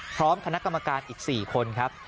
พร้อมคณะกรรมการอีก๔คนครับ